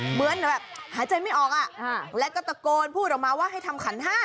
เหมือนแบบหายใจไม่ออกอ่ะแล้วก็ตะโกนพูดออกมาว่าให้ทำขันห้า